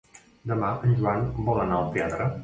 Demà en Joan vol anar al teatre.